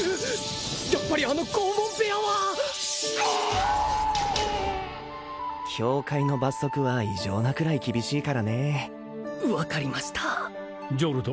やっぱりあの拷問部屋は教会の罰則は異常なくらい厳しいからね分かりましたジョルド